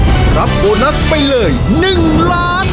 จะรับโบนัสไปเลย๑ล้านบาท